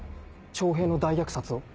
長平の大虐殺を。